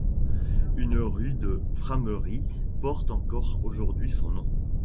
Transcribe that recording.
Une rue de Frameries porte encore aujourd'hui son nom.